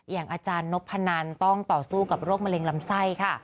อย่างอาจารย์นพนันต้องต่อสู้กับโรคมะเร็งลำไส้ค่ะ